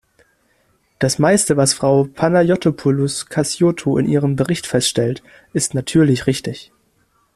Das meiste, was Frau Panayotopoulos-Cassiotou in ihrem Bericht feststellt, ist natürlich richtig.